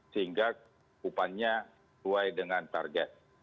sehingga kekupannya sesuai dengan target